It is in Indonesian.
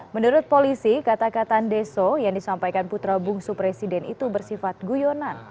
menurut polisi kata kata ndeso yang disampaikan putra bungsu presiden itu bersifat guyonan